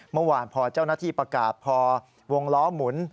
เมื่อวานพอเจ้าหน้าที่ประกาศพอวงล้อหมุน